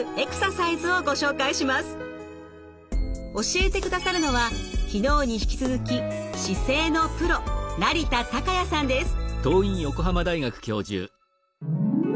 教えてくださるのは昨日に引き続き姿勢のプロ成田崇矢さんです。